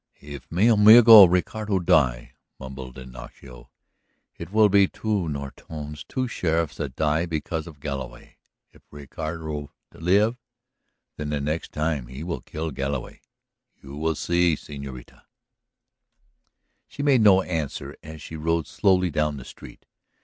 "If mi amigo Roderico die," mumbled Ignacio, "it will be two Nortones, two sheriffs, that die because of Galloway. If Roderico live, then the next time he will kill Galloway. You will see, señorita." She made no answer as she rode slowly down the street.